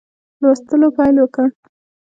لوستلو پیل وکړ.